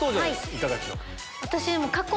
いかがでしょうか？